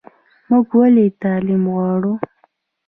موږ ولې تعلیم غواړو؟